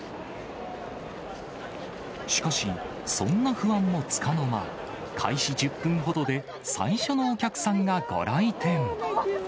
しかし、そんな不安もつかの間、開始１０分ほどで、最初のお客さんがご来店。